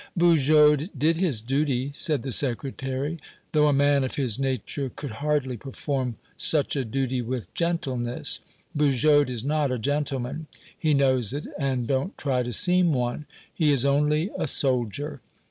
"Bugeaud did his duty," said the Secretary, "though a man of his nature could hardly perform such a duty with gentleness. Bugeaud is not a gentleman; he knows it, and don't try to seem one. He is only a soldier.